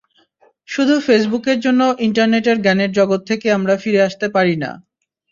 শুধু ফেসবুকের জন্য ইন্টারনেটের জ্ঞানের জগৎ থেকে আমরা ফিরে আসতে পারি না।